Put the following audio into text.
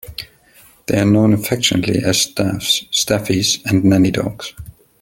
They are known affectionately as "staffs", "staffies", and "nanny-dogs".